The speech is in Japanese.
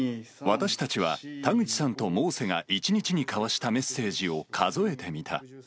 私たちは田口さんとモーセが１日に交わしたメッセージを数えてみた。